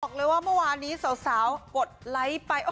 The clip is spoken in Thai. บอกเลยว่าเมื่อวานนี้สาวกดไลค์ไป